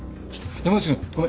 山内君ごめん。